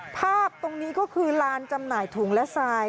ภาพตรงนี้ก็คือลานจำหน่ายถุงและทราย